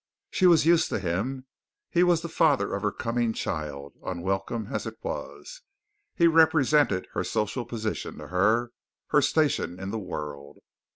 She was used to him, he was the father of her coming child, unwelcome as it was. He represented her social position to her, her station in the world.